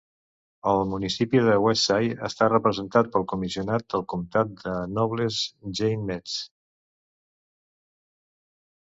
El municipi de Westside està representat pel comissionat del comtat de Nobles, Gene Metz.